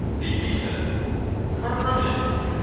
TheaeU Far from it.